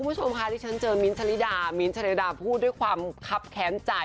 คุณผู้ชมค่ะที่ฉันเจอมิ้นทะลิดามิ้นท์ชะลิดาพูดด้วยความคับแค้นใจ